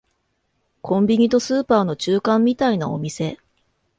コンビニとスーパーの中間みたいなお店